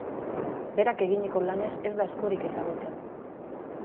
Berak eginiko lanez ez da askorik ezagutzen.